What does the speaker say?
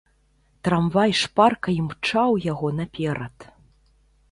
Трамвай шпарка імчаў яго наперад.